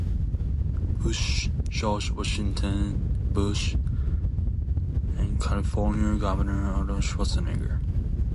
Bush, George W. Bush, and California Governor Arnold Schwarzenegger.